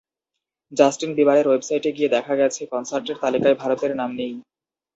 Justin বিবারের ওয়েবসাইটে গিয়ে দেখা গেছে, কনসার্টের তালিকায় ভারতের নাম নেই।